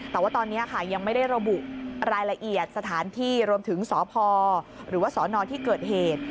แต่ว่าตอนนี้ค่ะยังไม่ได้ระบุรายละเอียดสถานที่รวมถึงสพหรือว่าสนที่เกิดเหตุ